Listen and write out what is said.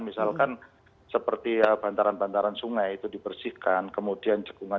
misalkan seperti bantaran bantaran sungai itu dibersihkan kemudian cekungan